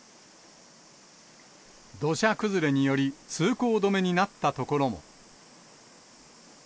土砂崩れにより、通行止めになった所も。